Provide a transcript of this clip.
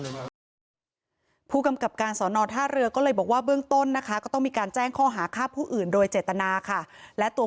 ผู้กำกับการสอนอท่าเรือก็เลยบอกว่าเบื้องต้นนะคะก็ต้องมีการแจ้งข้อหาฆ่าผู้อื่นโดยเจตนาค่ะและตัว